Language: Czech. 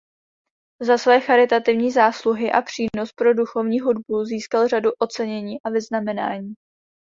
Za své charitativní zásluhy a přínos pro duchovní hudbu získal řadu ocenění a vyznamenání.